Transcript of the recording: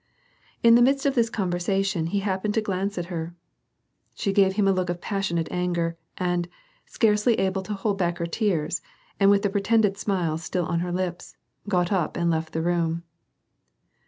In the midst of this conversation he happened to glance at her. She gave him a look of passionate anger and, scarcely able to hold back her tears, and with the pretended smile still on her lips, got up and left the room.